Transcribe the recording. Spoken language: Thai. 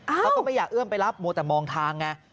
เขาก็ไม่อยากเอื้อมไปรับมัวแต่มองทางไง